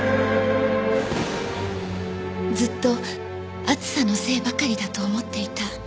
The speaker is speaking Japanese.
ずっと暑さのせいばかりだと思っていた。